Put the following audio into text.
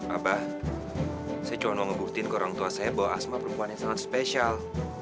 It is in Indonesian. abah saya cuma ngebutin ke orang tua saya bahwa asma perempuan yang sangat spesial